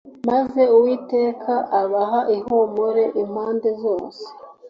maze Uwiteka abaha ihumure impande zose